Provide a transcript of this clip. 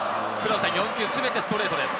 ４球すべてストレートです。